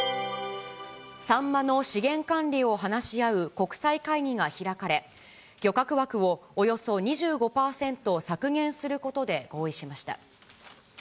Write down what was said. サンマの資源管理を話し合う国際会議が開かれ、漁獲枠をおよそ２５％削減することで合意しました。